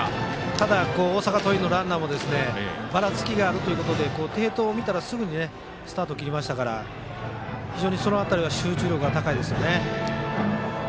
ただ大阪桐蔭のランナーもばらつきがあるということで低投を見たら、すぐにスタートを切りましたから非常に、その辺りは集中力が高いですね。